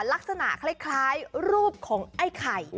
ลักษณะคล้ายรูปของไอ้ไข่